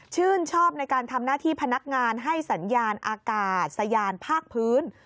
ชื่นชอบในการทำหน้าที่พนักงานให้สัญญาณอากาศสะยานภาคพื้น